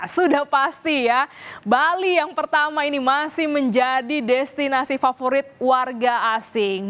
sudah pasti ya bali yang pertama ini masih menjadi destinasi favorit warga asing